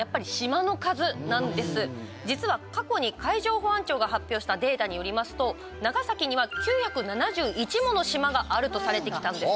実は過去に海上保安庁が発表したデータによりますと長崎には９７１もの島があるとされてきたんです。